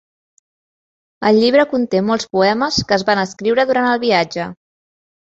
El llibre conté molts poemes que es van escriure durant el viatge.